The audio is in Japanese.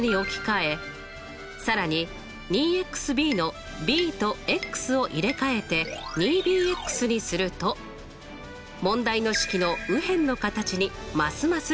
更に２ｂのｂとを入れ替えて２ｂにすると問題の式の右辺の形にますます近づきました。